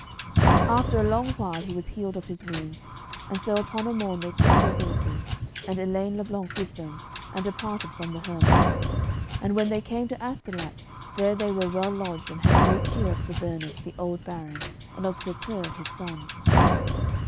After a long while he was healed of his wounds, and so upon a morn they took their horses, and Elaine le Blank with them, and departed from the hermit. And when they came to Astolat, there they were well lodged, and had great cheer of Sir Bernard the old baron, and of Sir Tirre his son.